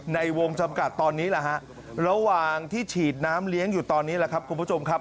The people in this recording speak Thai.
ในวงจำกัดตอนนี้แหละฮะระหว่างที่ฉีดน้ำเลี้ยงอยู่ตอนนี้แหละครับคุณผู้ชมครับ